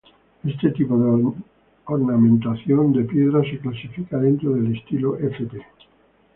Este tipo de ornamentación de piedra se clasifica dentro del estilo Fp.